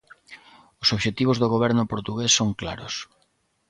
Os obxectivos do Goberno portugués son claros.